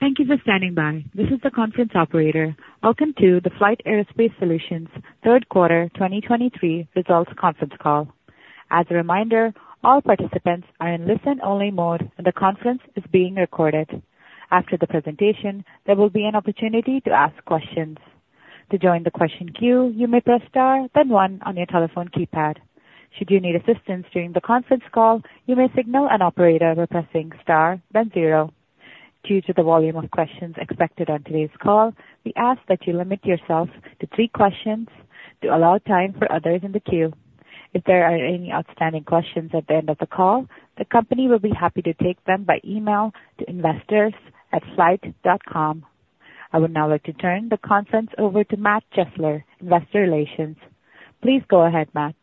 Thank you for standing by. This is the conference operator. Welcome to the FLYHT Aerospace Solutions third quarter 2023 results conference call. As a reminder, all participants are in listen-only mode, and the conference is being recorded. After the presentation, there will be an opportunity to ask questions. To join the question queue, you may press star, then one on your telephone keypad. Should you need assistance during the conference call, you may signal an operator by pressing star, then zero. Due to the volume of questions expected on today's call, we ask that you limit yourself to three questions to allow time for others in the queue. If there are any outstanding questions at the end of the call, the company will be happy to take them by email to investors@flyht.com. I would now like to turn the conference over to Matt Chesler, Investor Relations. Please go ahead, Matt.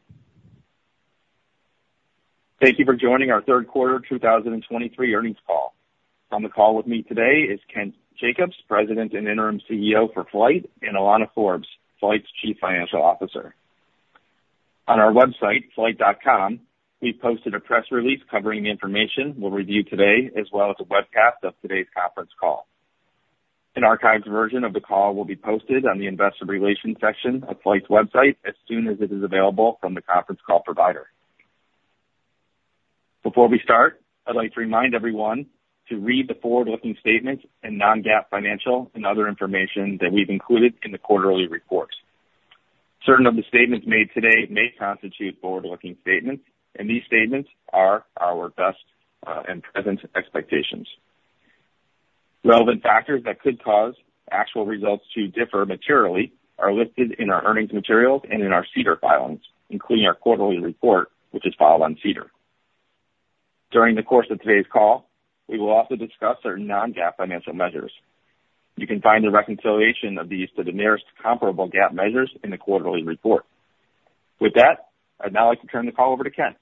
Thank you for joining our third quarter 2023 earnings call. On the call with me today is Kent Jacobs, President and Interim CEO for FLYHT, and Alana Forbes, FLYHT's Chief Financial Officer. On our website, flyht.com, we posted a press release covering the information we'll review today, as well as a webcast of today's conference call. An archived version of the call will be posted on the Investor Relations section of FLYHT's website as soon as it is available from the conference call provider. Before we start, I'd like to remind everyone to read the forward-looking statements and non-GAAP financial and other information that we've included in the quarterly reports. Certain of the statements made today may constitute forward-looking statements, and these statements are our best and present expectations. Relevant factors that could cause actual results to differ materially are listed in our earnings materials and in our SEDAR filings, including our quarterly report, which is filed on SEDAR. During the course of today's call, we will also discuss our non-GAAP financial measures. You can find the reconciliation of these to the nearest comparable GAAP measures in the quarterly report. With that, I'd now like to turn the call over to Ken.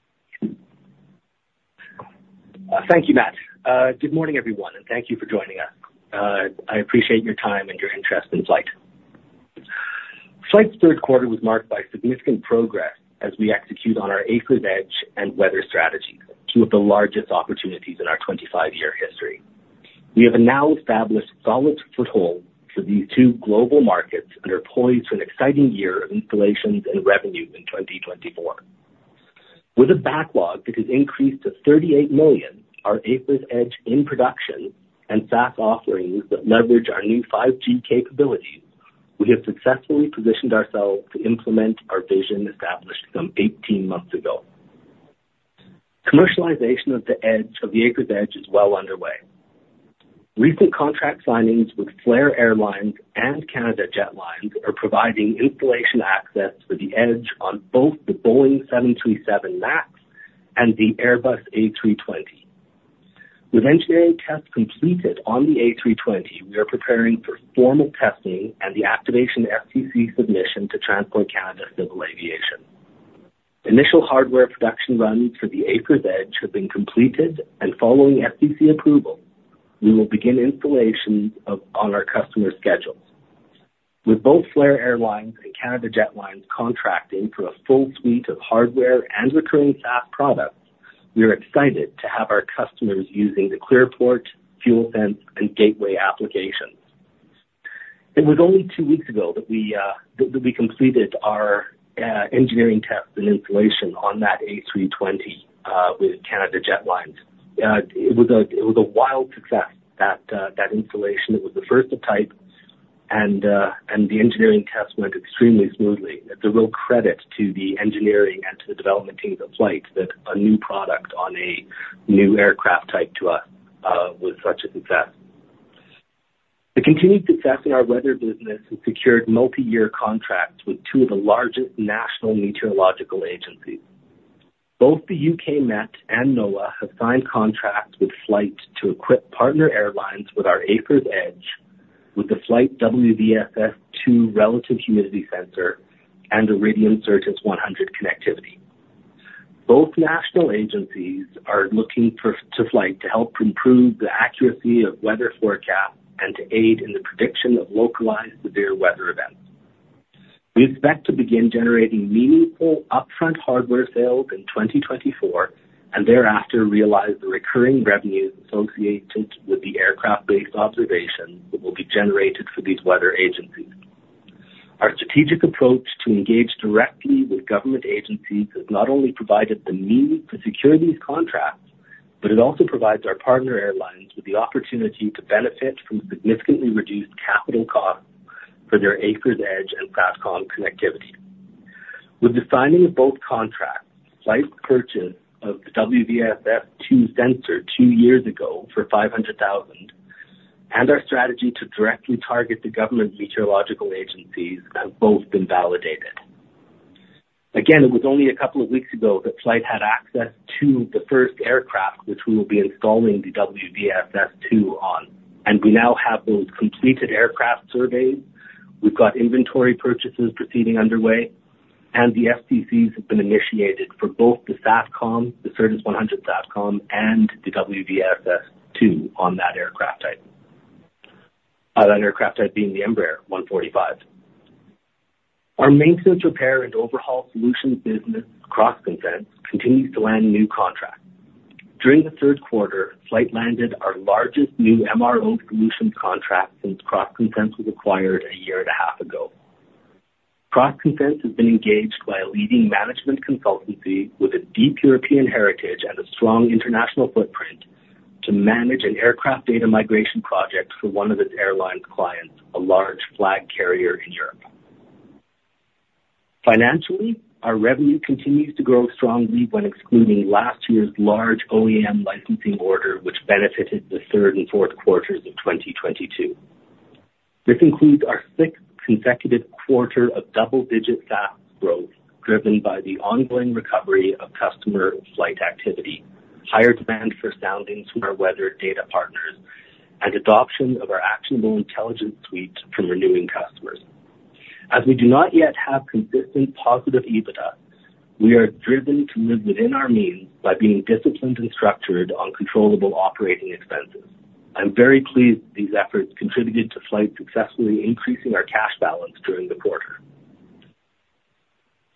Thank you, Matt. Good morning, everyone, and thank you for joining us. I appreciate your time and your interest in FLYHT. FLYHT's third quarter was marked by significant progress as we execute on our AFIRS Edge and weather strategies, two of the largest opportunities in our 25-year history. We have now established solid foothold for these two global markets and are poised for an exciting year of installations and revenue in 2024. With a backlog that has increased to 38 million, our AFIRS Edge in production and SaaS offerings that leverage our new 5G capabilities, we have successfully positioned ourselves to implement our vision established some 18 months ago. Commercialization of the AFIRS Edge is well underway. Recent contract signings with Flair Airlines and Canada Jetlines are providing installation access for the Edge on both the Boeing 737 MAX and the Airbus A320. With engineering tests completed on the A320, we are preparing for formal testing and the activation STC submission to Transport Canada Civil Aviation. Initial hardware production runs for the AFIRS Edge have been completed, and following STC approval, we will begin installations of, on our customer schedules. With both Flair Airlines and Canada Jetlines contracting for a full suite of hardware and recurring SaaS products, we are excited to have our customers using the ClearPort, FuelSense, and Gateway applications. It was only two weeks ago that we completed our engineering test and installation on that A320 with Canada Jetlines. It was a wild success, that installation. It was the first of type, and the engineering test went extremely smoothly. It's a real credit to the engineering and to the development team of FLYHT that a new product on a new aircraft type to us was such a success. The continued success in our weather business has secured multi-year contracts with two of the largest national meteorological agencies. Both the UK Met and NOAA have signed contracts with FLYHT to equip partner airlines with our AFIRS Edge, with the FLYHT WVSS-II relative humidity sensor and Iridium Certus 100 Connectivity. Both national agencies are looking for FLYHT to help improve the accuracy of weather forecasts and to aid in the prediction of localized severe weather events. We expect to begin generating meaningful upfront hardware sales in 2024, and thereafter realize the recurring revenues associated with the aircraft-based observations that will be generated for these weather agencies. Our strategic approach to engage directly with government agencies has not only provided the means to secure these contracts, but it also provides our partner airlines with the opportunity to benefit from significantly reduced capital costs for their AFIRS Edge and SATCOM connectivity. With the signing of both contracts, FLYHT's purchase of the WVSS-II sensor two years ago for 500,000, and our strategy to directly target the government meteorological agencies, have both been validated. Again, it was only a couple of weeks ago that FLYHT had access to the first aircraft, which we will be installing the WVSS-II on, and we now have those completed aircraft surveys. We've got inventory purchases proceeding underway, and the STCs have been initiated for both the SATCOM, the Certus 100 SATCOM and the WVSS-II on that aircraft type. That aircraft type being the Embraer 145. Our maintenance, repair, and overhaul solutions business, CrossConsense, continues to land new contracts. During the third quarter, FLYHT landed our largest new MRO solutions contract since CrossConsense was acquired a year and a half ago. CrossConsense has been engaged by a leading management consultancy with a deep European heritage and a strong international footprint to manage an aircraft data migration project for one of its airline clients, a large flag carrier in Europe. Financially, our revenue continues to grow strongly when excluding last year's large OEM licensing order, which benefited the third and fourth quarters of 2022. This includes our sixth consecutive quarter of double-digit SaaS growth, driven by the ongoing recovery of customer flight activity, higher demand for soundings from our weather data partners, and adoption of our Actionable Intelligence suites from renewing customers. As we do not yet have consistent positive EBITDA, we are driven to live within our means by being disciplined and structured on controllable operating expenses. I'm very pleased these efforts contributed to FLYHT successfully increasing our cash balance during the quarter.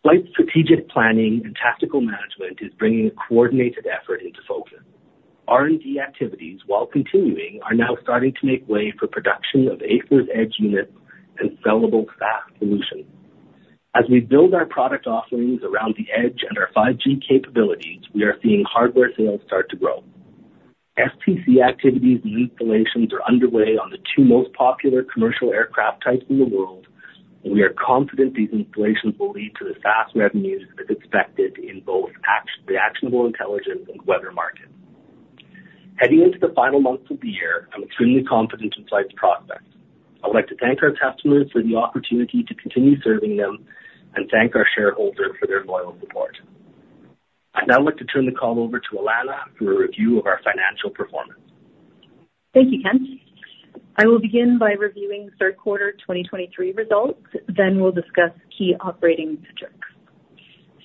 FLYHT's strategic planning and tactical management is bringing a coordinated effort into focus. R&D activities, while continuing, are now starting to make way for production of AFIRS Edge units and sellable SaaS solutions. As we build our product offerings around the Edge and our 5G capabilities, we are seeing hardware sales start to grow. FPC activities and installations are underway on the two most popular commercial aircraft types in the world, and we are confident these installations will lead to the SaaS revenues as expected in both the Actionable Intelligence and weather markets. Heading into the final months of the year, I'm extremely confident in FLYHT's prospects. I would like to thank our customers for the opportunity to continue serving them, and thank our shareholders for their loyal support. I'd now like to turn the call over to Alana for a review of our financial performance. Thank you, Ken. I will begin by reviewing third quarter 2023 results, then we'll discuss key operating metrics.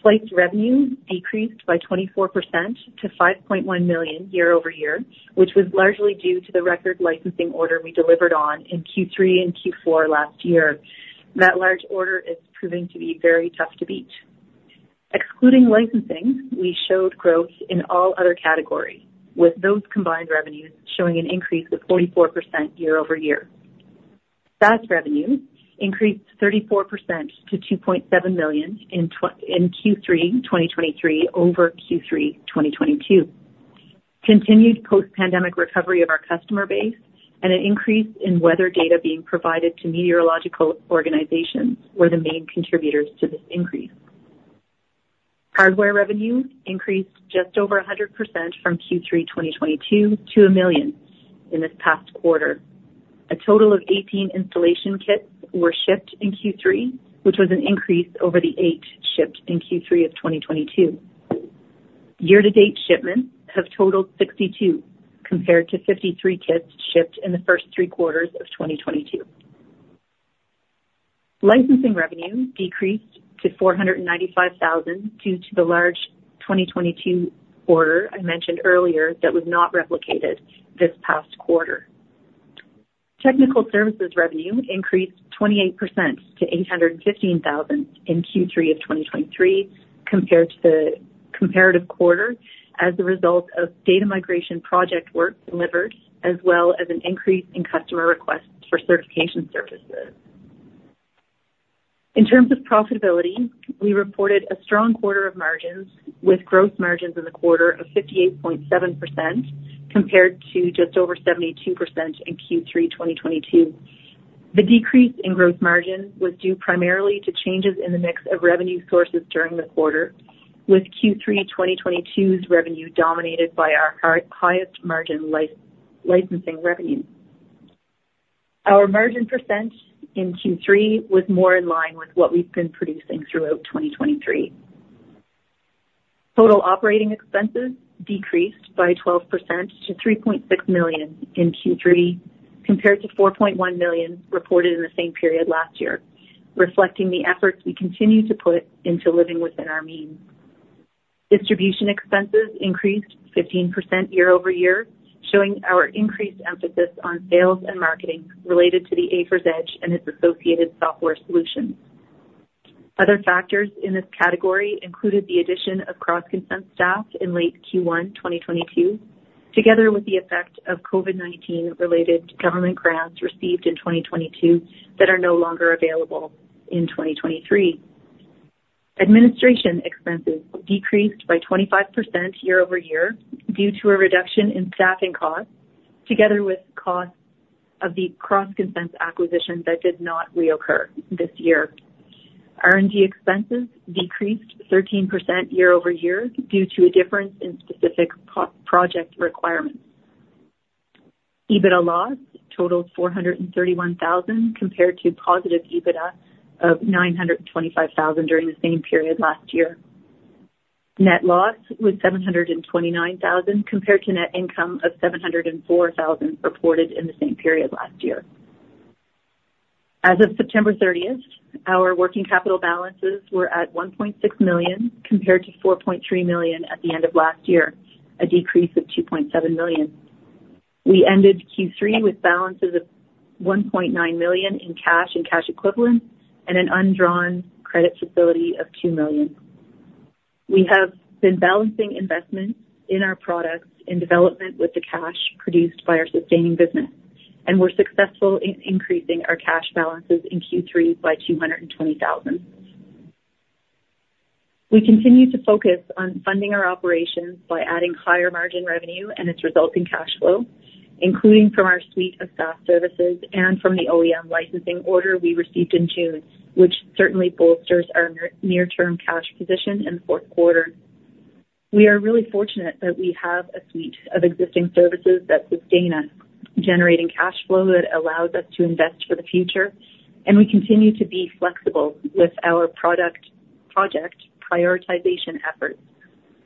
FLYHT's revenue decreased by 24% to 5.1 million year-over-year, which was largely due to the record licensing order we delivered on in Q3 and Q4 last year. That large order is proving to be very tough to beat. Excluding licensing, we showed growth in all other categories, with those combined revenues showing an increase of 44% year-over-year. SaaS revenue increased 34% to 2.7 million in Q3 2023 over Q3 2022. Continued post-pandemic recovery of our customer base and an increase in weather data being provided to meteorological organizations were the main contributors to this increase. Hardware revenue increased just over 100% from Q3 2022 to 1 million in this past quarter. A total of 18 installation kits were shipped in Q3, which was an increase over the eight shipped in Q3 of 2022. Year-to-date shipments have totaled 62, compared to 53 kits shipped in the first three quarters of 2022. Licensing revenue decreased to 495,000, due to the large 2022 order I mentioned earlier that was not replicated this past quarter. Technical services revenue increased 28% to 815,000 in Q3 of 2023 compared to the comparative quarter, as a result of data migration project work delivered, as well as an increase in customer requests for certification services. In terms of profitability, we reported a strong quarter of margins with gross margins in the quarter of 58.7%, compared to just over 72% in Q3 2022. The decrease in gross margin was due primarily to changes in the mix of revenue sources during the quarter, with Q3 2022's revenue dominated by our highest margin licensing revenue. Our margin percent in Q3 was more in line with what we've been producing throughout 2023. Total operating expenses decreased by 12% to 3.6 million in Q3, compared to 4.1 million reported in the same period last year, reflecting the efforts we continue to put into living within our means. Distribution expenses increased 15% year-over-year, showing our increased emphasis on sales and marketing related to the AFIRS Edge and its associated software solutions. Other factors in this category included the addition of CrossConsense staff in late Q1 2022, together with the effect of COVID-19 related government grants received in 2022 that are no longer available in 2023. Administration expenses decreased by 25% year-over-year due to a reduction in staffing costs, together with costs of the CrossConsense acquisition that did not reoccur this year. R&D expenses decreased 13% year-over-year due to a difference in specific project requirements. EBITDA loss totaled 431,000, compared to positive EBITDA of 925,000 during the same period last year. Net loss was 729,000, compared to net income of 704,000 reported in the same period last year. As of September 30, our working capital balances were at 1.6 million, compared to 4.3 million at the end of last year, a decrease of 2.7 million. We ended Q3 with balances of 1.9 million in cash and cash equivalents and an undrawn credit facility of 2 million. We have been balancing investments in our products in development with the cash produced by our sustaining business, and we're successful in increasing our cash balances in Q3 by 220 thousand. We continue to focus on funding our operations by adding higher margin revenue and its resulting cash flow, including from our suite of SaaS services and from the OEM licensing order we received in June, which certainly bolsters our near-term cash position in the fourth quarter. We are really fortunate that we have a suite of existing services that sustain us, generating cash flow that allows us to invest for the future. We continue to be flexible with our product-project prioritization efforts,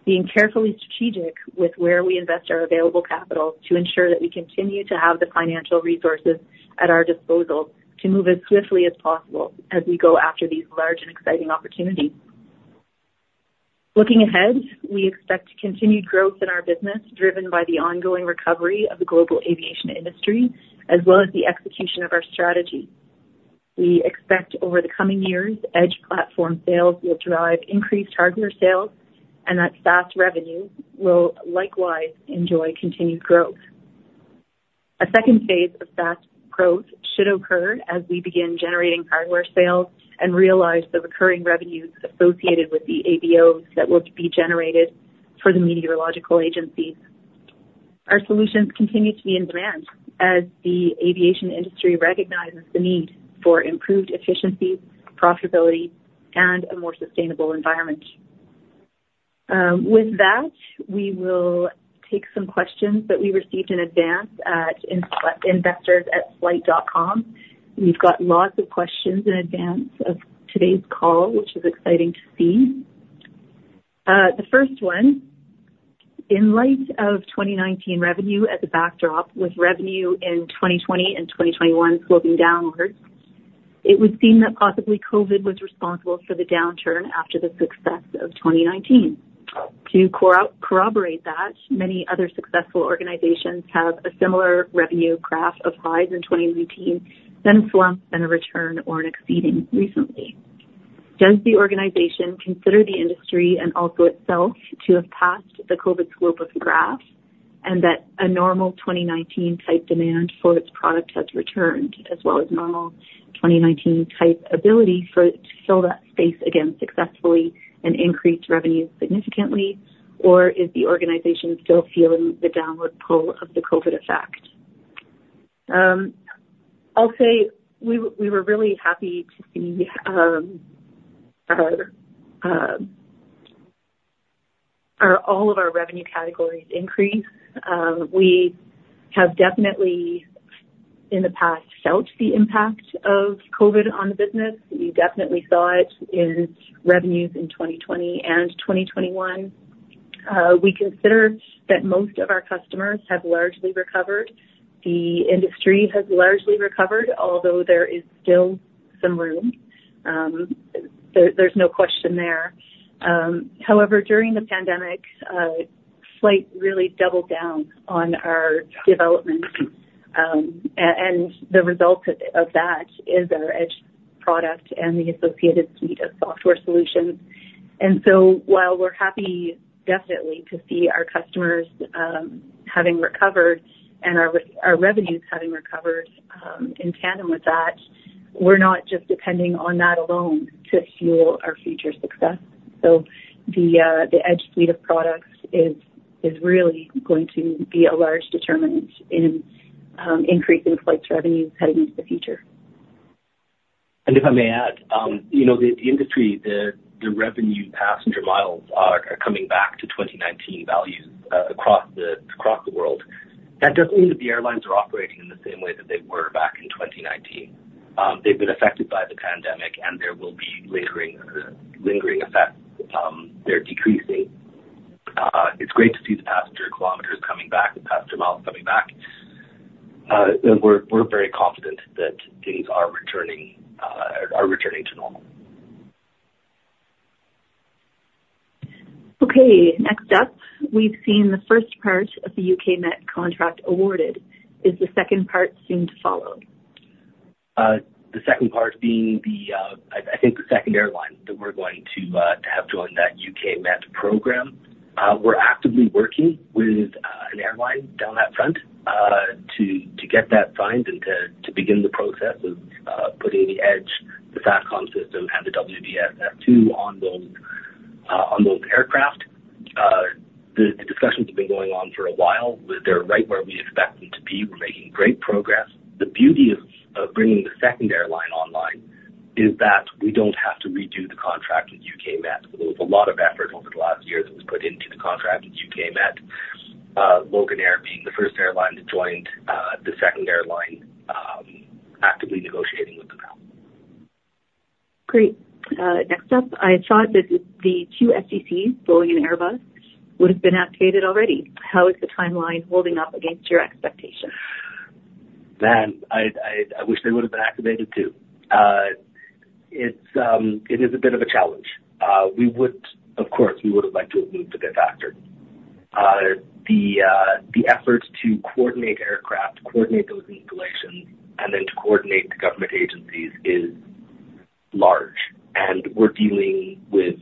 being carefully strategic with where we invest our available capital to ensure that we continue to have the financial resources at our disposal to move as swiftly as possible as we go after these large and exciting opportunities. Looking ahead, we expect continued growth in our business, driven by the ongoing recovery of the global aviation industry as well as the execution of our strategy. We expect over the coming years, Edge platform sales will drive increased hardware sales, and that SaaS revenue will likewise enjoy continued growth. A second phase of fast growth should occur as we begin generating hardware sales and realize the recurring revenues associated with the ABOs that will be generated for the meteorological agencies. Our solutions continue to be in demand as the aviation industry recognizes the need for improved efficiency, profitability, and a more sustainable environment. With that, we will take some questions that we received in advance at investors@flyht.com. We've got lots of questions in advance of today's call, which is exciting to see. The first one: In light of 2019 revenue as a backdrop, with revenue in 2020 and 2021 sloping downwards, it would seem that possibly COVID was responsible for the downturn after the success of 2019. To corroborate that, many other successful organizations have a similar revenue graph of highs in 2019, then a slump, then a return or an exceeding recently. Does the organization consider the industry and also itself to have passed the COVID slope of the graph, and that a normal 2019 type demand for its product has returned, as well as normal 2019 type ability for it to fill that space again successfully and increase revenue significantly? Or is the organization still feeling the downward pull of the COVID effect? I'll say we were really happy to see all of our revenue categories increase. We have definitely, in the past, felt the impact of COVID on the business. We definitely saw it in revenues in 2020 and 2021. We consider that most of our customers have largely recovered. The industry has largely recovered, although there is still some room. There's no question there. However, during the pandemic, FLYHT really doubled down on our development, and the result of that is our Edge product and the associated suite of software solutions. And so while we're happy, definitely, to see our customers having recovered and our revenues having recovered, in tandem with that, we're not just depending on that alone to fuel our future success. So the Edge suite of products is really going to be a large determinant in increasing FLYHT's revenue heading into the future. And if I may add, you know, the industry, the revenue passenger miles are coming back to 2019 values, across the world. That doesn't mean that the airlines are operating in the same way that they were back in 2019. They've been affected by the pandemic, and there will be lingering effects. They're decreasing. It's great to see the passenger kilometers coming back, the passenger miles coming back. And we're very confident that things are returning to normal. Okay, next up. We've seen the first part of the UK Met contract awarded. Is the second part soon to follow? The second part being, I think, the second airline that we're going to have join that UK Met program. We're actively working with an airline down that front to get that signed and to begin the process of putting the Edge, the SATCOM system, and the WVSS-II on those aircraft. The discussions have been going on for a while. They're right where we expect them to be. We're making great progress. The beauty of bringing the second airline online is that we don't have to redo the contract with UK Met. There was a lot of effort over the last year that was put into the contract with UK Met, Loganair being the first airline that joined, the second airline, actively negotiating with them now. Great. Next up. I thought that the two STCs, Boeing and Airbus, would have been activated already. How is the timeline holding up against your expectations?... Man, I wish they would have been activated, too. It's it is a bit of a challenge. We would, of course, we would have liked to have moved a bit faster. The efforts to coordinate aircraft, coordinate those installations, and then to coordinate the government agencies is large, and we're dealing with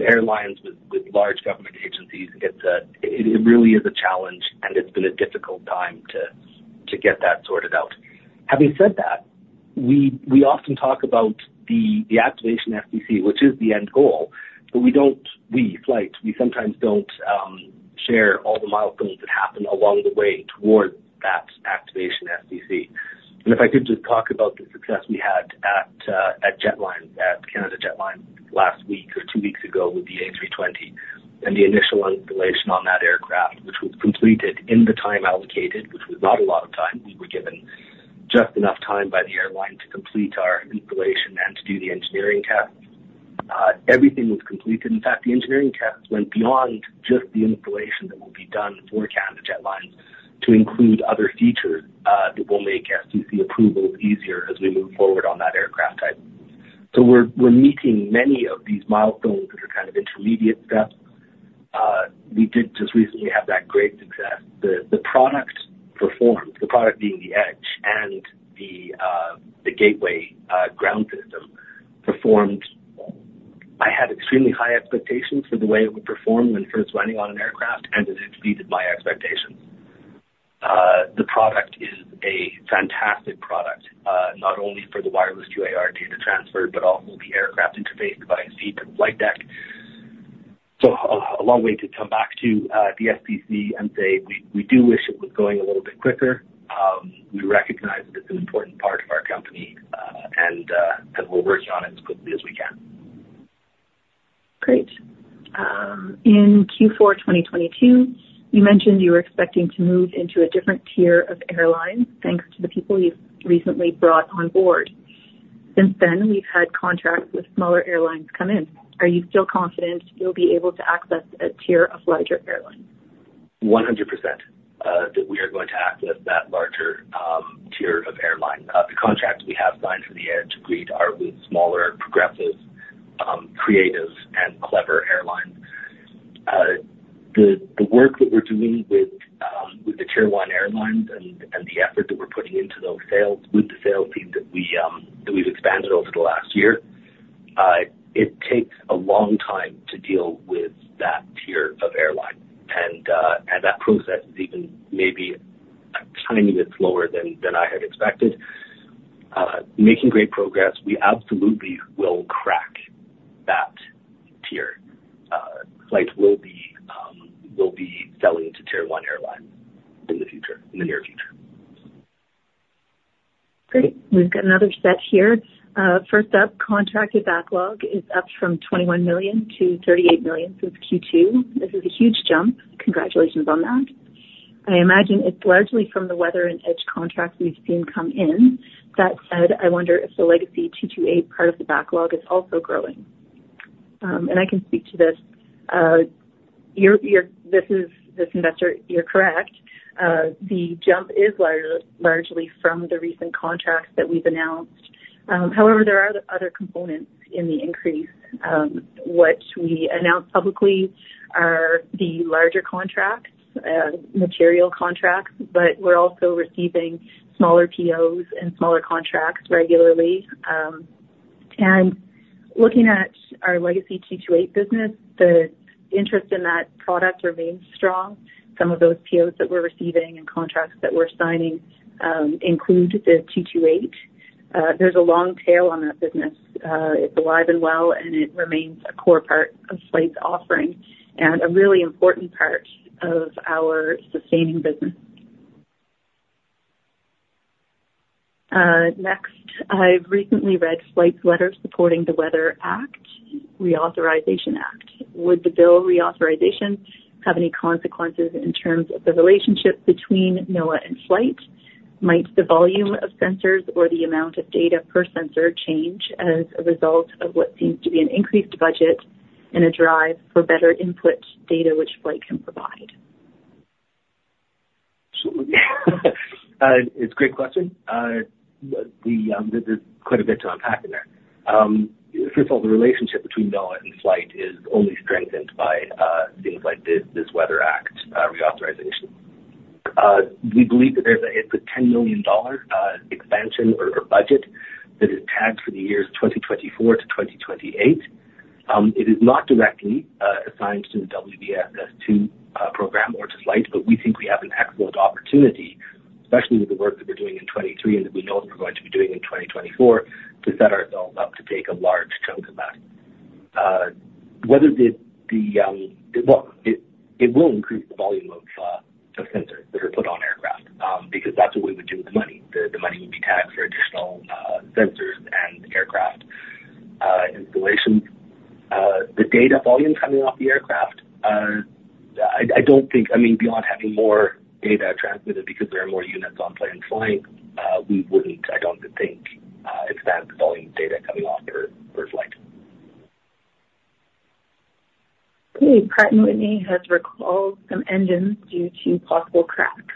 airlines, with large government agencies. It really is a challenge, and it's been a difficult time to get that sorted out. Having said that, we often talk about the activation STC, which is the end goal, but we don't, FLYHT, we sometimes don't share all the milestones that happen along the way towards that activation STC. If I could just talk about the success we had at Canada Jetlines last week or two weeks ago, with the A320 and the initial installation on that aircraft, which was completed in the time allocated, which was not a lot of time. We were given just enough time by the airline to complete our installation and to do the engineering tests. Everything was completed. In fact, the engineering tests went beyond just the installation that will be done for Canada Jetlines to include other features that will make STC approvals easier as we move forward on that aircraft type. So we're meeting many of these milestones that are kind of intermediate steps. We did just recently have that great success. The product performed, the product being the Edge and the Gateway ground system performed. I had extremely high expectations for the way it would perform when it first went on an aircraft, and it exceeded my expectations. The product is a fantastic product, not only for the wireless QAR data transfer, but also the aircraft interface via SATCOM and FLYHT deck. So a long way to come back to the STC and say, we do wish it was going a little bit quicker. We recognize that it's an important part of our company, and we're working on it as quickly as we can. Great. In Q4 2022, you mentioned you were expecting to move into a different tier of airlines, thanks to the people you've recently brought on board. Since then, we've had contracts with smaller airlines come in. Are you still confident you'll be able to access a tier of larger airlines? 100%, that we are going to access that larger tier of airline. The contracts we have signed for the AFIRS Edge are with smaller, progressive, creative and clever airlines. The work that we're doing with the tier one airlines and the effort that we're putting into those sales, with the sales team that we've expanded over the last year, it takes a long time to deal with that tier of airline. And that process is even maybe a tiny bit slower than I had expected. Making great progress. We absolutely will crack that tier. FLYHT will be selling to tier one airlines in the future, in the near future. Great. We've got another set here. First up, contracted backlog is up from 21 million to 38 million since Q2. This is a huge jump. Congratulations on that. I imagine it's largely from the weather and Edge contracts we've seen come in. That said, I wonder if the legacy 228 part of the backlog is also growing. And I can speak to this. You're correct. This investor, the jump is largely from the recent contracts that we've announced. However, there are other components in the increase. What we announce publicly are the larger contracts, material contracts, but we're also receiving smaller POs and smaller contracts regularly. And looking at our legacy 228 business, the interest in that product remains strong. Some of those POs that we're receiving and contracts that we're signing, include the 228. There's a long tail on that business. It's alive and well, and it remains a core part of FLYHT's offering and a really important part of our sustaining business. Next, I've recently read FLYHT's letter supporting the Weather Act, Reauthorization Act. Would the bill reauthorization have any consequences in terms of the relationship between NOAA and FLYHT? Might the volume of sensors or the amount of data per sensor change as a result of what seems to be an increased budget and a drive for better input data, which FLYHT can provide? It's a great question. We, there's quite a bit to unpack in there. First of all, the relationship between NOAA and FLYHT is only strengthened by things like this, this Weather Act reauthorization. We believe that there's a, it's a $10 million expansion or budget that is tagged for the years 2024-2028. It is not directly assigned to the WVSS-II program or to FLYHT, but we think we have an excellent opportunity, especially with the work that we're doing in 2023 and that we know that we're going to be doing in 2024, to set ourselves up to take a large chunk of that. Whether the, the... Well, it, it will increase the volume of, of sensors that are put on aircraft, because that's what we would do with the money. The, the money would be tagged for additional, sensors and aircraft, installation. The data volume coming off the aircraft, I, I don't think, I mean, beyond having more data transmitted because there are more units on planes flying, we wouldn't, I don't think, expand the volume of data coming-... Okay, Pratt & Whitney has recalled some engines due to possible cracks.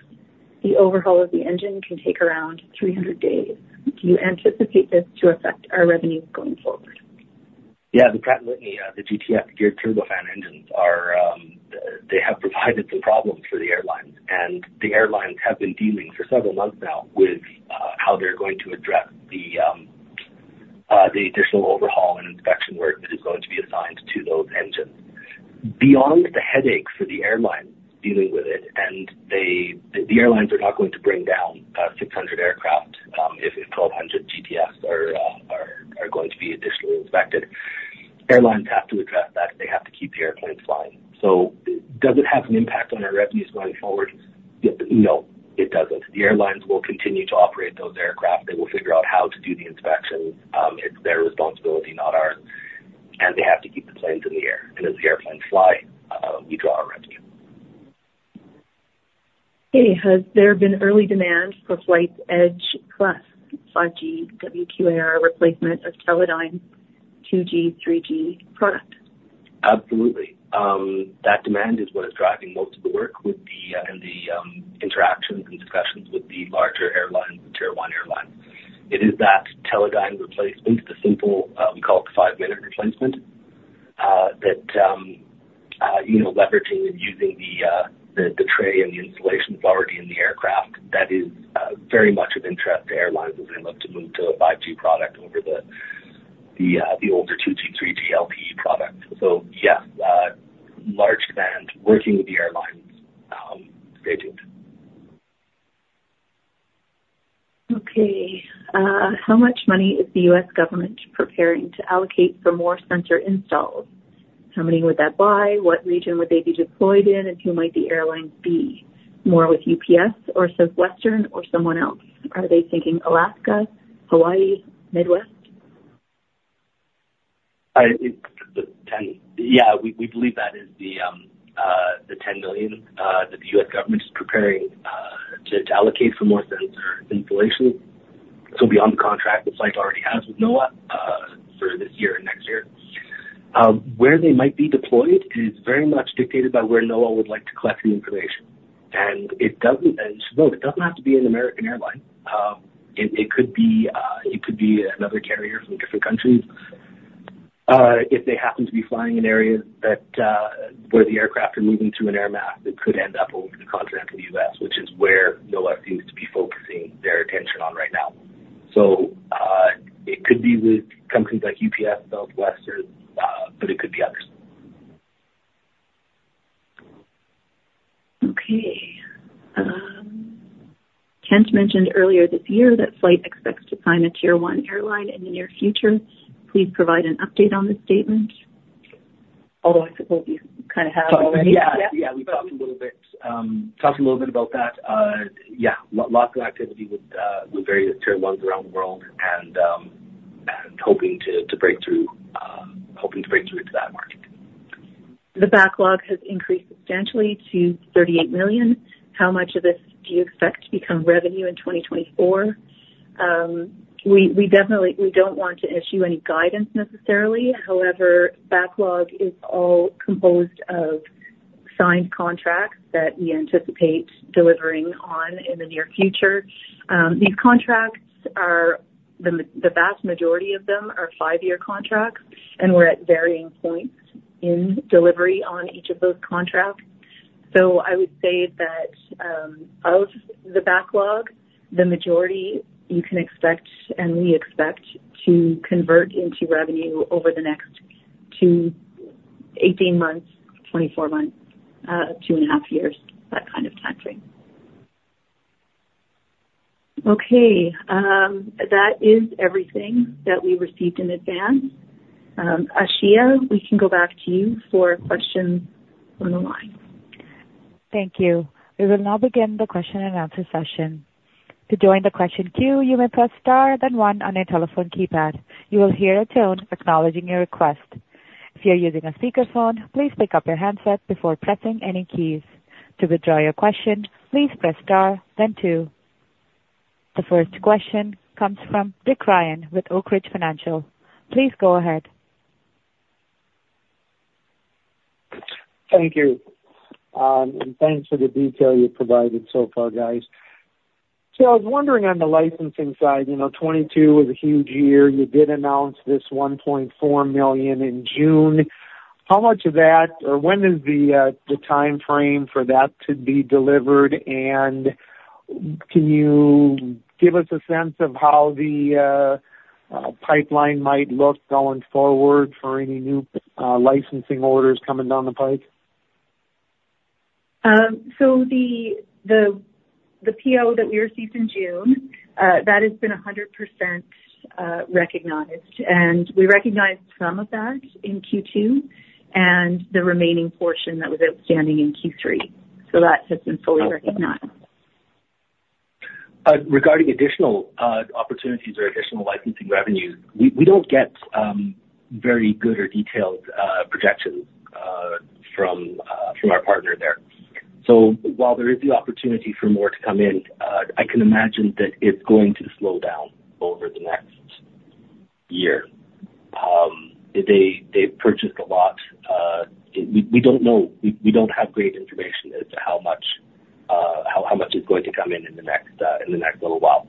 The overhaul of the engine can take around 300 days. Do you anticipate this to affect our revenues going forward? Yeah, the Pratt & Whitney, the GTF geared turbofan engines are, they have provided some problems for the airlines, and the airlines have been dealing for several months now with how they're going to address the additional overhaul and inspection work that is going to be assigned to those engines. Beyond the headache for the airlines dealing with it, and the airlines are not going to bring down 600 aircraft if 1,200 GTFs are going to be additionally inspected. Airlines have to address that. They have to keep the airplanes flying. So does it have an impact on our revenues going forward? Yep. No, it doesn't. The airlines will continue to operate those aircraft. They will figure out how to do the inspections. It's their responsibility, not ours, and they have to keep the planes in the air. And as the airplanes fly, we draw our revenue. Okay. Has there been early demand for FLYHT Edge Plus, 5G WQAR replacement of Teledyne 2G, 3G product? Absolutely. That demand is what is driving most of the work with the interactions and discussions with the larger airlines, Tier One airlines. It is that Teledyne replacement, the simple, we call it the five-minute replacement, that, you know, leveraging and using the tray and the installations already in the aircraft. That is very much of interest to airlines as they look to move to a 5G product over the older 2G, 3G LTE product. So, yes, large demand working with the airlines. Stay tuned. Okay. How much money is the U.S. government preparing to allocate for more sensor installs? How many would that buy? What region would they be deployed in, and who might the airlines be? More with UPS or Southwest or someone else. Are they thinking Alaska, Hawaii, Midwest? Yeah, we believe that is the $10 million that the U.S. government is preparing to allocate for more sensor installations. So beyond the contract that FLYHT already has with NOAA for this year and next year. Where they might be deployed is very much dictated by where NOAA would like to collect the information. And it doesn't have to be an American airline. It could be another carrier from a different country. If they happen to be flying in areas where the aircraft are moving through an air mass that could end up over the continental U.S., which is where NOAA seems to be focusing their attention on right now. It could be with companies like UPS, Southwest, but it could be others. Okay. Kent mentioned earlier this year that FLYHT expects to sign a Tier One airline in the near future. Please provide an update on this statement, although I suppose you kind of have already. Yeah, yeah, we talked a little bit, talked a little bit about that. Yeah, lots of activity with various Tier Ones around the world and hoping to break through into that market. The backlog has increased substantially to 38 million. How much of this do you expect to become revenue in 2024? We, we definitely, we don't want to issue any guidance necessarily. However, backlog is all composed of signed contracts that we anticipate delivering on in the near future. These contracts are, the vast majority of them are five-year contracts, and we're at varying points in delivery on each of those contracts. So I would say that, of the backlog, the majority you can expect, and we expect, to convert into revenue over the next, 18 months, 24 months, two and a half years, that kind of time frame. Okay, that is everything that we received in advance. Ashia, we can go back to you for questions on the line. Thank you. We will now begin the question-and-answer session. To join the question queue, you may press star, then one on your telephone keypad. You will hear a tone acknowledging your request. If you're using a speakerphone, please pick up your handset before pressing any keys. To withdraw your question, please press star then two. The first question comes from Dick Ryan with Oak Ridge Financial. Please go ahead. Thank you, and thanks for the detail you've provided so far, guys. So I was wondering on the licensing side, you know, 2022 was a huge year. You did announce this 1.4 million in June. How much of that, or when is the timeframe for that to be delivered? And can you give us a sense of how the pipeline might look going forward for any new licensing orders coming down the pike? The PO that we received in June that has been 100% recognized, and we recognized some of that in Q2 and the remaining portion that was outstanding in Q3. So that has been fully recognized. Regarding additional opportunities or additional licensing revenues, we don't get very good or detailed projections from our partner there. So while there is the opportunity for more to come in, I can imagine that it's going to slow down over the next year. They purchased a lot. We don't know. We don't have great information as to how much, how much is going to come in, in the next little while.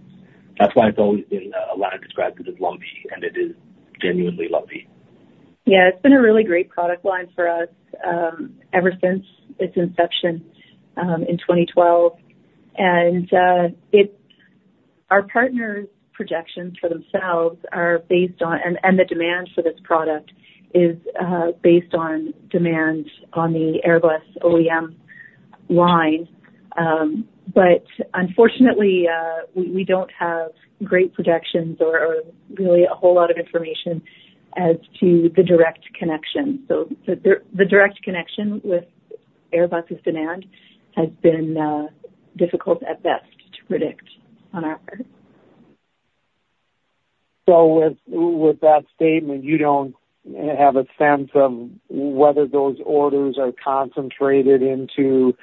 That's why it's always been, Alana described it as lumpy, and it is genuinely lumpy. Yeah, it's been a really great product line for us, ever since its inception, in 2012. And, our partners' projections for themselves are based on, and the demand for this product is based on demand on the Airbus OEM line. But unfortunately, we don't have great projections or really a whole lot of information as to the direct connection. So the direct connection with Airbus's demand has been difficult at best to predict on our part. So with that statement, you don't have a sense of whether those orders are concentrated into,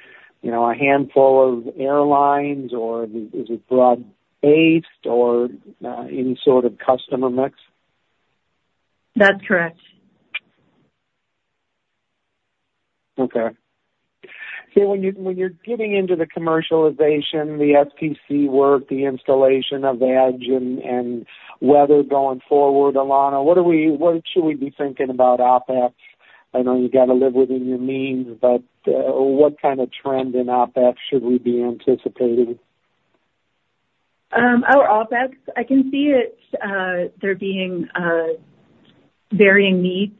you know, a handful of airlines, or is it broad-based or any sort of customer mix? That's correct. Okay. So when you're getting into the commercialization, the STC work, the installation of the Edge and weather going forward, Alana, what are we—what should we be thinking about OpEx? I know you got to live within your means, but what kind of trend in OpEx should we be anticipating? Our OpEx, I can see it there being varying needs.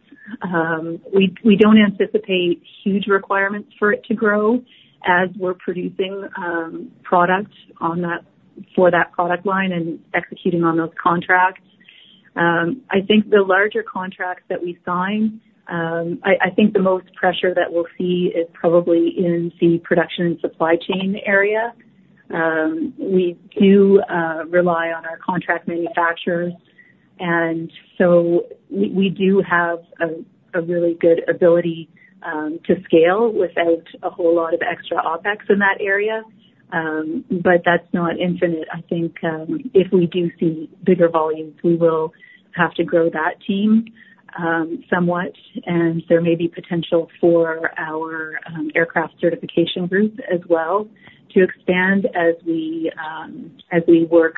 We don't anticipate huge requirements for it to grow as we're producing product on that, for that product line and executing on those contracts. I think the larger contracts that we sign, I think the most pressure that we'll see is probably in the production and supply chain area. We do rely on our contract manufacturers, and so we do have a really good ability to scale without a whole lot of extra OpEx in that area. But that's not infinite. I think, if we do see bigger volumes, we will have to grow that team, somewhat, and there may be potential for our, aircraft certification group as well, to expand as we, as we work,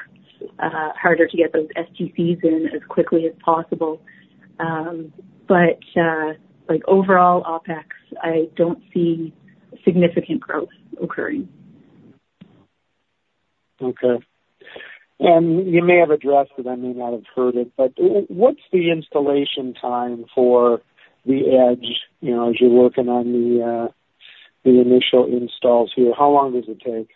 harder to get those STCs in as quickly as possible. But, like, overall OpEx, I don't see significant growth occurring. Okay. And you may have addressed it, I may not have heard it, but what's the installation time for the Edge? You know, as you're working on the initial installs here, how long does it take?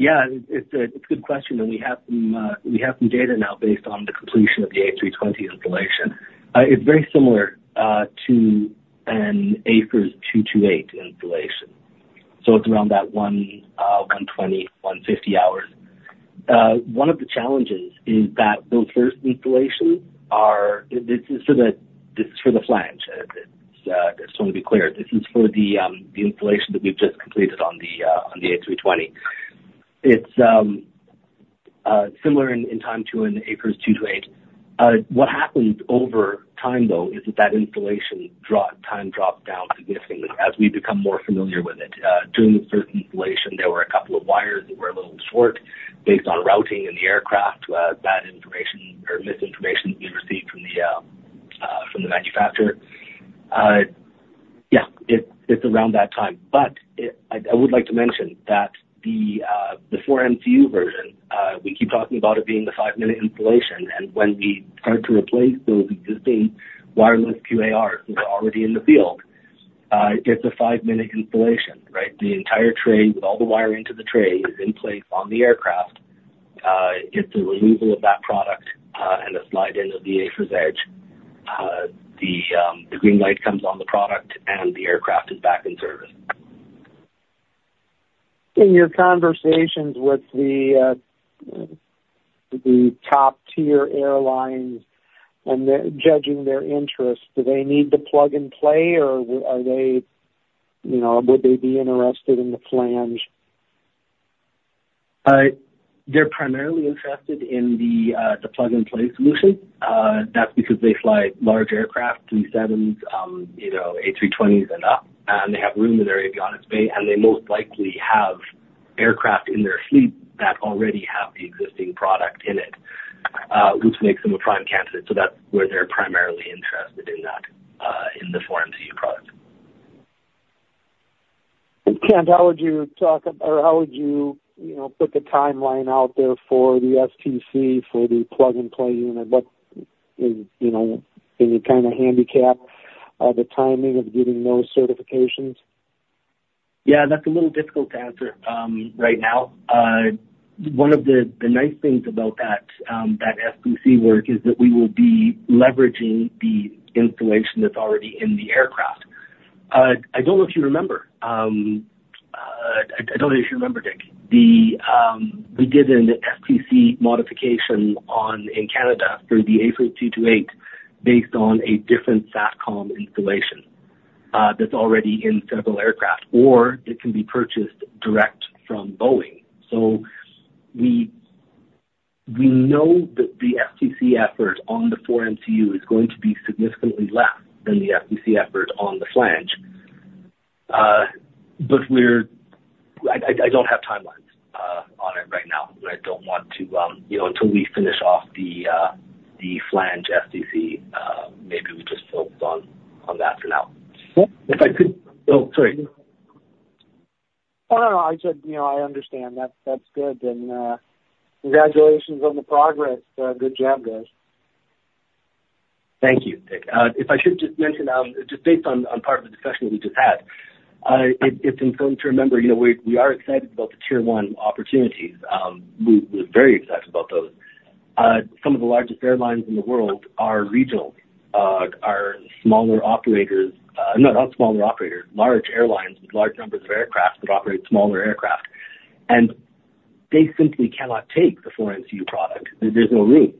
Yeah, it's a good question, and we have some data now based on the completion of the A320 installation. It's very similar to an AFIRS-228 installation. So it's around that 120-150 hours. One of the challenges is that those first installations are... This is for the flange. Just want to be clear, this is for the installation that we've just completed on the A320. It's similar in time to an AFIRS-228. What happens over time, though, is that that installation drop, time drops down significantly as we become more familiar with it. During the first installation, there were a couple of wires that were a little short based on routing in the aircraft. Bad information or misinformation we received from the manufacturer. Yeah, it's around that time. But I would like to mention that the 4MCU version, we keep talking about it being the five-minute installation, and when we start to replace those existing wireless QARs which are already in the field, it's a five-minute installation, right? The entire tray, with all the wiring to the tray, is in place on the aircraft. It's a removal of that product, and a slide in of the AFIRS Edge. The green light comes on the product, and the aircraft is back in service. In your conversations with the top-tier airlines and then judging their interest, do they need the plug-and-play, or are they, you know, would they be interested in the flange? They're primarily interested in the plug-and-play solution. That's because they fly large aircraft, three sevens, you know, A320s and up, and they have room in their avionics bay, and they most likely have aircraft in their fleet that already have the existing product in it, which makes them a prime candidate. So that's where they're primarily interested in that, in the 4MCU product. Kent, how would you talk, or how would you, you know, put the timeline out there for the STC, for the plug-and-play unit? You know, can you kind of handicap the timing of getting those certifications? Yeah, that's a little difficult to answer right now. One of the nice things about that STC work is that we will be leveraging the installation that's already in the aircraft. I don't know if you remember, Dick. We did an STC modification in Canada for the AFIRS 228 based on a different SATCOM installation that's already in several aircraft, or it can be purchased direct from Boeing. So we know that the STC effort on the 4MCU is going to be significantly less than the STC effort on the flange. But I don't have timelines on it right now. I don't want to, you know, until we finish off the flange STC, maybe we just focus on that for now. If I could. Oh, sorry. Oh, no, I said, you know, I understand. That's, that's good. And, congratulations on the progress. Good job, guys. Thank you, Nick. If I should just mention, just based on part of the discussion we just had, it's important to remember, you know, we are excited about the tier one opportunities. We're very excited about those. Some of the largest airlines in the world are regional, are smaller operators. No, not smaller operators, large airlines with large numbers of aircraft that operate smaller aircraft, and they simply cannot take the 4 MCU product. There's no room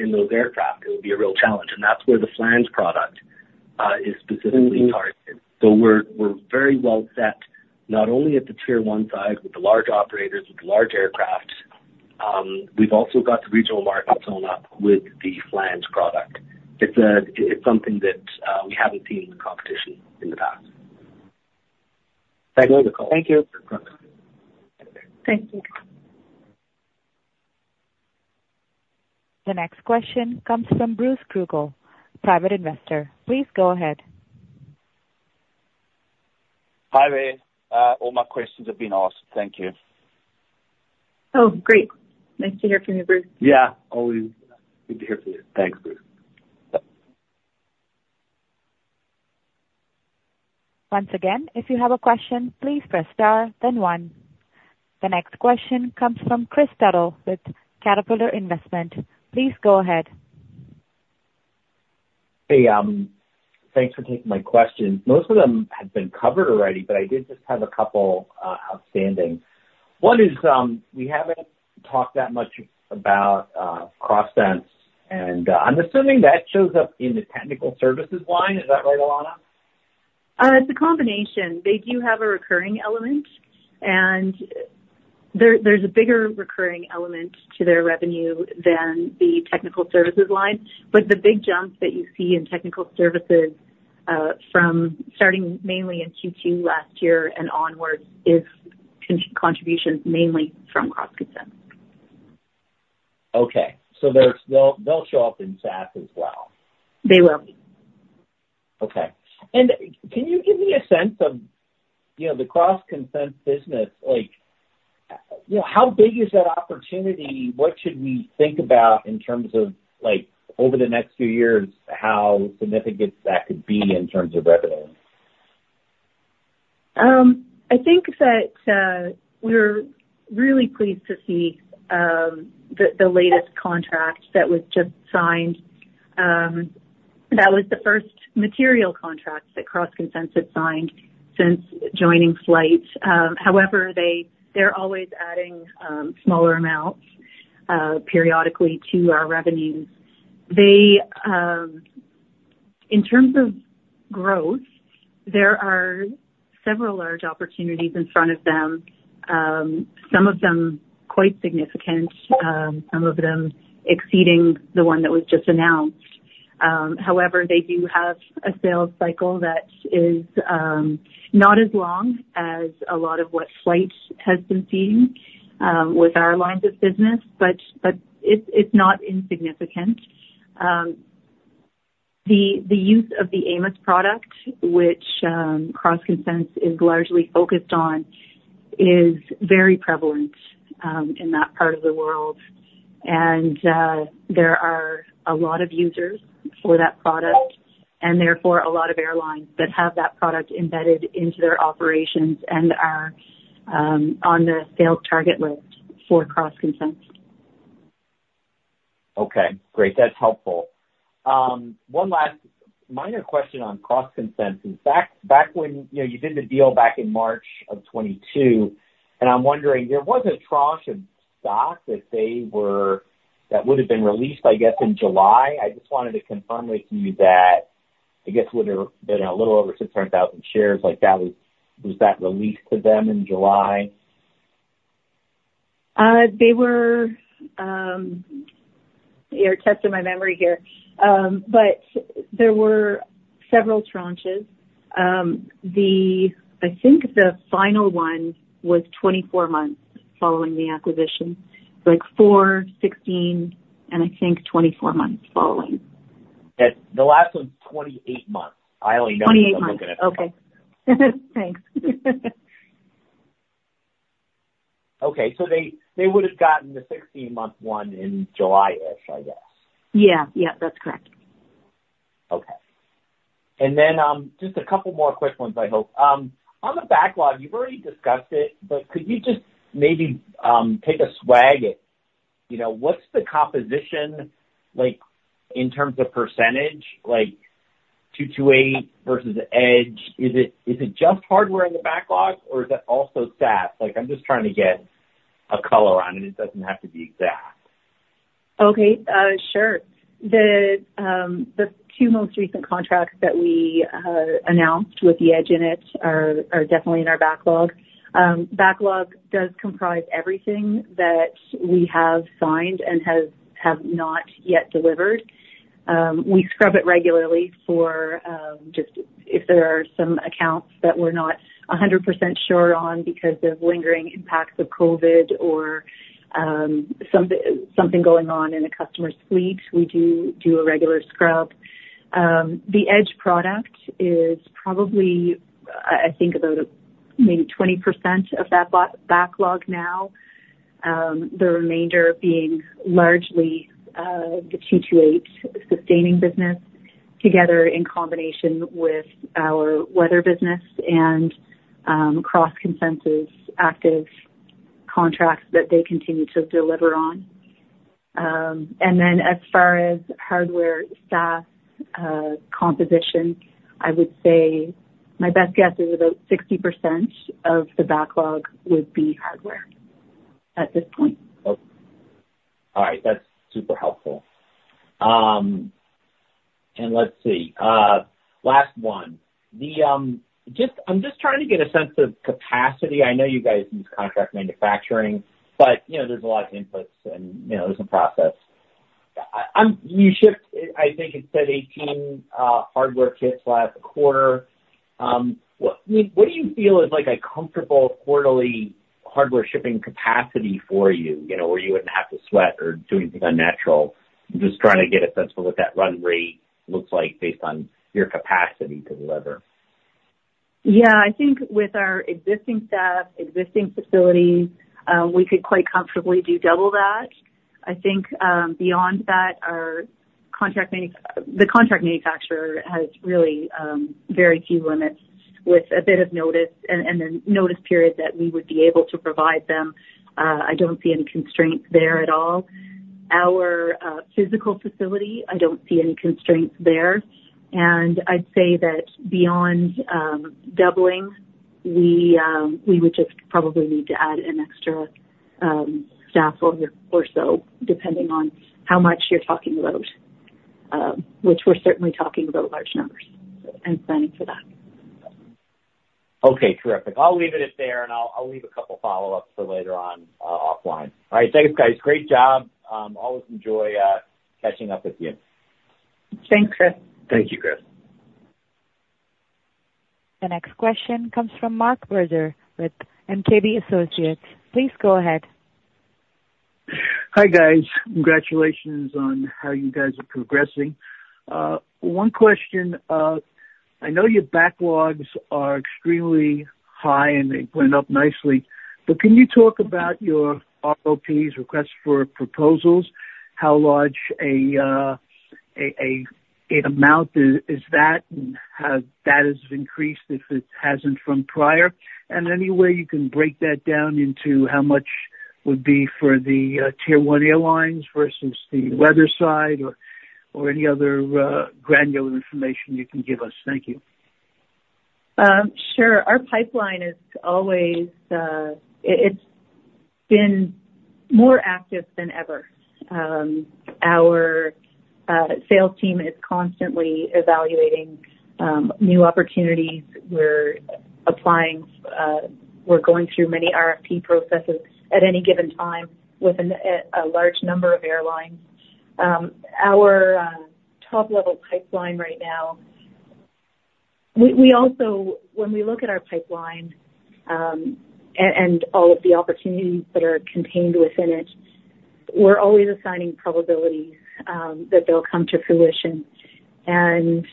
in those aircraft. It would be a real challenge, and that's where the flange product is specifically targeted. So we're very well set, not only at the tier one side with the large operators, with the large aircraft, we've also got the regional market sewn up with the flange product. It's something that we haven't seen in the competition in the past. Thank you for the call. Thank you. You're welcome. Thank you. The next question comes from Bruce Kruggel, private investor. Please go ahead. Hi, Ray. All my questions have been asked. Thank you. Oh, great. Nice to hear from you, Bruce. Yeah, always good to hear from you. Thanks, Bruce. Once again, if you have a question, please press star then one. The next question comes from Chris Tuttle with Caterpillar Investment. Please go ahead. Hey, thanks for taking my question. Most of them have been covered already, but I did just have a couple outstanding. One is, we haven't talked that much about CrossConsense, and I'm assuming that shows up in the technical services line. Is that right, Alana? It's a combination. They do have a recurring element, and there, there's a bigger recurring element to their revenue than the technical services line. But the big jump that you see in technical services, from starting mainly in Q2 last year and onwards, is contribution mainly from CrossConsense. Okay. So they'll show up in SaaS as well? They will. Okay. And can you give me a sense of, you know, the CrossConsense business? Like, you know, how big is that opportunity? What should we think about in terms of, like, over the next few years, how significant that could be in terms of revenue? I think that, we're really pleased to see, the latest contract that was just signed. That was the first material contract that CrossConsense had signed since joining FLYHT. However, they, they're always adding, smaller amounts, periodically to our revenues. They... In terms of growth, there are several large opportunities in front of them, some of them quite significant, some of them exceeding the one that was just announced. However, they do have a sales cycle that is, not as long as a lot of what FLYHT has been seeing, with our lines of business, but, but it's, it's not insignificant. The, the use of the AMOS product, which, CrossConsense is largely focused on, is very prevalent, in that part of the world. There are a lot of users for that product, and therefore a lot of airlines that have that product embedded into their operations and are on the sales target list for CrossConsense. Okay, great. That's helpful. One last minor question on CrossConsense. Back, back when, you know, you did the deal back in March of 2022, and I'm wondering, there was a tranche of stock that they were- that would have been released, I guess, in July. I just wanted to confirm with you that, I guess, would have been a little over 600,000 shares, like that was... Was that released to them in July? They were, you're testing my memory here, but there were several tranches. I think the final one was 24 months following the acquisition, like four, 16 and I think 24 months following. The last one, 28 months. I only know- Twenty-eight months. -okay. Thanks. Okay, so they would have gotten the 16-month one in July-ish, I guess. Yeah. Yeah, that's correct. Okay. And then, just a couple more quick ones, I hope. On the backlog, you've already discussed it, but could you just maybe, take a swag at, you know, what's the composition like in terms of percentage, like 228 versus Edge? Is it, is it just hardware in the backlog or is that also SaaS? Like, I'm just trying to get a color on it. It doesn't have to be exact.... Okay, sure. The two most recent contracts that we announced with the Edge in it are definitely in our backlog. Backlog does comprise everything that we have signed and have not yet delivered. We scrub it regularly for just if there are some accounts that we're not 100% sure on because of lingering impacts of COVID or something going on in a customer's fleet, we do a regular scrub. The Edge product is probably, I think, about maybe 20% of that backlog now, the remainder being largely the 228 sustaining business together in combination with our weather business and CrossConsense active contracts that they continue to deliver on. As far as hardware staff composition, I would say my best guess is about 60% of the backlog would be hardware at this point. All right. That's super helpful. And let's see. Last one, just—I'm just trying to get a sense of capacity. I know you guys use contract manufacturing, but, you know, there's a lot of inputs and, you know, there's a process. I'm—You shipped, I think it said 18 hardware kits last quarter. What do you feel is like a comfortable quarterly hardware shipping capacity for you, you know, where you wouldn't have to sweat or do anything unnatural? Just trying to get a sense for what that run rate looks like based on your capacity to deliver. Yeah. I think with our existing staff, existing facilities, we could quite comfortably do double that. I think, beyond that, our contract manufacturer has really, very few limits with a bit of notice and, the notice period that we would be able to provide them, I don't see any constraints there at all. Our, physical facility, I don't see any constraints there, and I'd say that beyond, doubling, we, we would just probably need to add an extra, staff or year or so, depending on how much you're talking about, which we're certainly talking about large numbers and planning for that. Okay, terrific. I'll leave it at there, and I'll leave a couple follow-ups for later on, offline. All right. Thanks, guys. Great job. Always enjoy catching up with you. Thanks, Chris. Thank you, Chris. The next question comes from Mark Berger with MKB Associates. Please go ahead. Hi, guys. Congratulations on how you guys are progressing. One question, I know your backlogs are extremely high, and they went up nicely, but can you talk about your RFPs, request for proposals? How large an amount is that, and how that has increased, if it hasn't from prior? And any way you can break that down into how much would be for the tier one airlines versus the weather side or any other granular information you can give us? Thank you. Sure. Our pipeline is always, it's been more active than ever. Our sales team is constantly evaluating new opportunities. We're applying, we're going through many RFP processes at any given time with a large number of airlines. Our top-level pipeline right now—We also, when we look at our pipeline, and all of the opportunities that are contained within it, we're always assigning probabilities that they'll come to fruition, and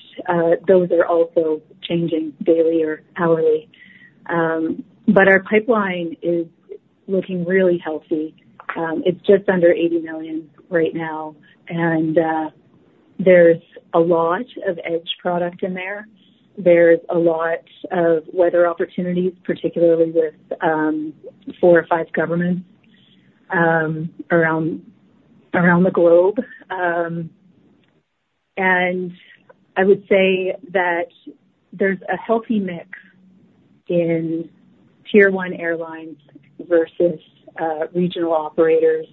those are also changing daily or hourly. But our pipeline is looking really healthy. It's just under 80 million right now, and there's a lot of Edge product in there. There's a lot of weather opportunities, particularly with four or five governments around the globe. I would say that there's a healthy mix in tier one airlines versus regional operators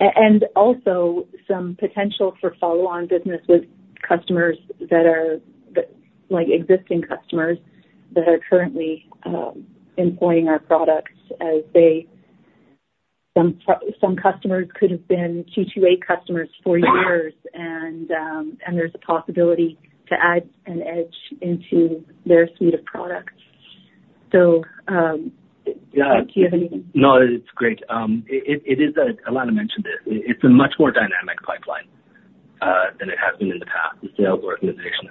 and also some potential for follow-on business with customers that are like existing customers that are currently employing our products as they... Some customers could have been 228 customers for years, and there's a possibility to add an Edge into their suite of products. So, Mark, do you have anything? No, it's great. Alana mentioned it. It's a much more dynamic pipeline than it has been in the past. The sales organization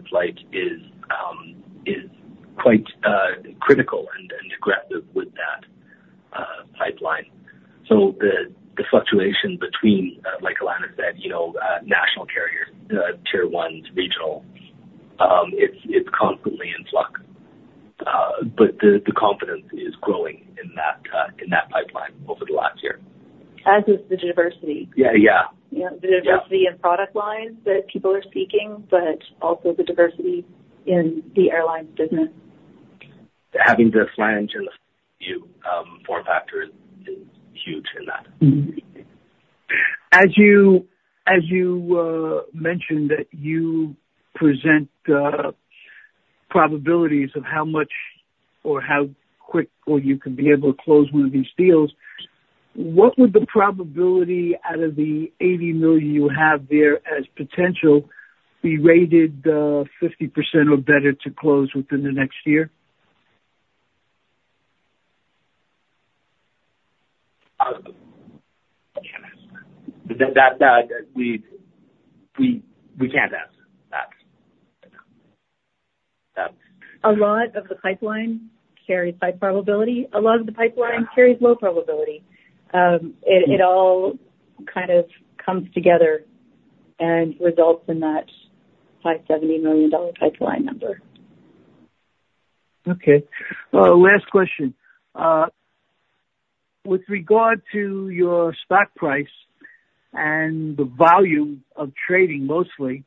is quite critical and aggressive with that pipeline. So the fluctuation between, like Alana said, you know, national carriers, tier one to regional, it's constantly in flux. But the confidence is growing in that pipeline over the last year. As is the diversity. Yeah, yeah. Yeah. Yeah. The diversity in product lines that people are seeking, but also the diversity in the airlines business.... Having the flange and the 4MCU form factor is huge in that. Mm-hmm. As you, as you, mentioned that you present probabilities of how much or how quick or you can be able to close one of these deals, what would the probability out of the 80 million you have there as potential be rated 50% or better to close within the next year? I can't answer that. We can't answer that. A lot of the pipeline carries high probability. A lot of the pipeline carries low probability. It all kind of comes together and results in that $570 million pipeline number. Okay. Last question. With regard to your stock price and the volume of trading mostly,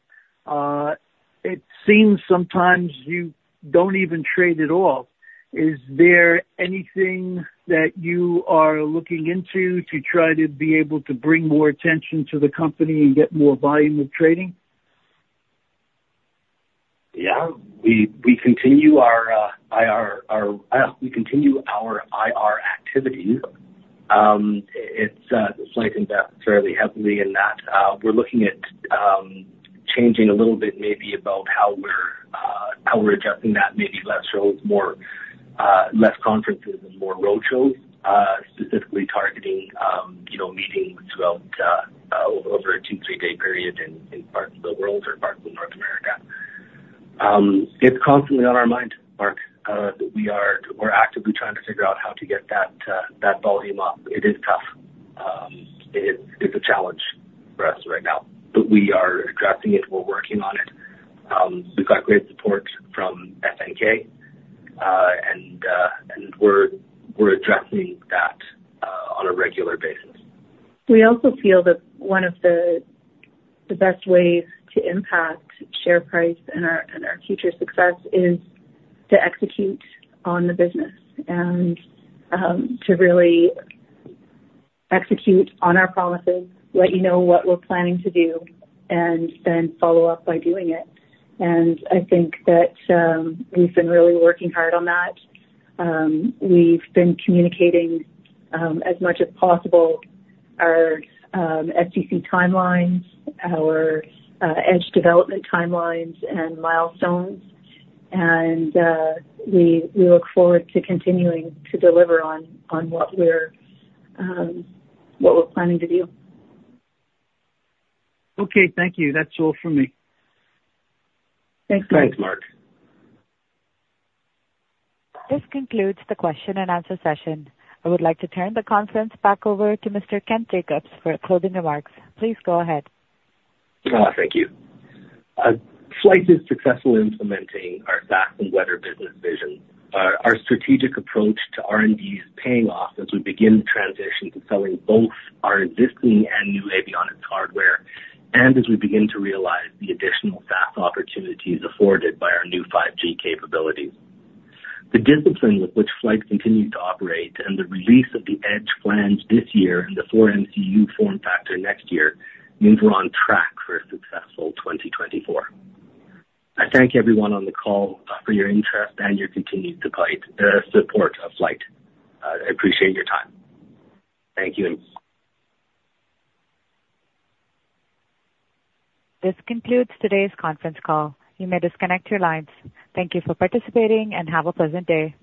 it seems sometimes you don't even trade at all. Is there anything that you are looking into to try to be able to bring more attention to the company and get more volume of trading? Yeah. We continue our IR activities. It's FLYHT invests fairly heavily in that. We're looking at changing a little bit, maybe about how we're adjusting that. Maybe less shows, less conferences and more road shows, specifically targeting, you know, meetings throughout, over a 2-3-day period in parts of the world or parts of North America. It's constantly on our mind, Mark. We are, we're actively trying to figure out how to get that volume up. It is tough. It is a challenge for us right now, but we are addressing it. We're working on it. We've got great support from FNK, and we're addressing that on a regular basis. We also feel that one of the best ways to impact share price and our future success is to execute on the business and to really execute on our promises, let you know what we're planning to do, and then follow up by doing it. I think that we've been really working hard on that. We've been communicating as much as possible our STC timelines, our Edge development timelines and milestones. We look forward to continuing to deliver on what we're planning to do. Okay, thank you. That's all from me. Thanks. Thanks, Mark. This concludes the question and answer session. I would like to turn the conference back over to Mr. Kent Jacobs for closing remarks. Please go ahead. Thank you. FLYHT is successful in implementing our SaaS and weather business vision. Our, our strategic approach to R&D is paying off as we begin the transition to selling both our existing and new avionics hardware, and as we begin to realize the additional SaaS opportunities afforded by our new 5G capabilities. The discipline with which FLYHT continues to operate and the release of the Edge plans this year and the 4 MCU form factor next year, means we're on track for a successful 2024. I thank everyone on the call for your interest and your continued support, support of FLYHT. I appreciate your time. Thank you. This concludes today's conference call. You may disconnect your lines. Thank you for participating, and have a pleasant day.